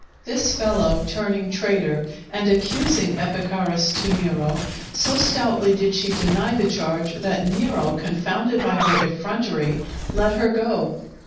This fellow, turning traitor, and accusing Epicharis to Nero, so stoutly did she deny the charge, that Nero, confounded by her effrontery, let her go.